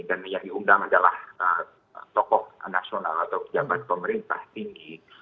dan yang diundang adalah tokoh nasional atau pejabat pemerintah tinggi